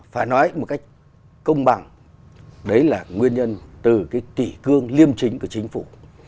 phải nói một cách công bằng đấy là nguyên nhân từ cái kỷ cương liêm chính của chính phủ